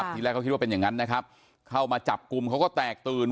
ทีแรกเขาคิดว่าเป็นอย่างนั้นนะครับเข้ามาจับกลุ่มเขาก็แตกตื่น